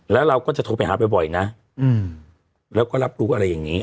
แล้วเราก็จะโทรไปหาบ่อยนะแล้วก็รับรู้อะไรอย่างนี้